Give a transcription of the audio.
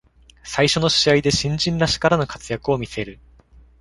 最初の試合で新人らしからぬ活躍を見せる